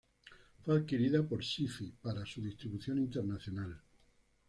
Fue adquirida por Syfy para su distribución internacional.